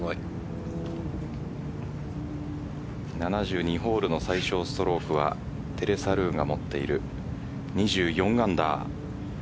７２ホールの最少ストロークはテレサ・ルーが持っている２４アンダー。